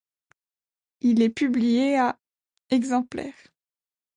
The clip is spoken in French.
Il est publié à exemplaires.